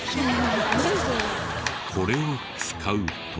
これを使うと。